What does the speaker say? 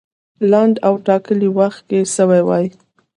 لنډ او ټاکلي وخت کې سوی وای.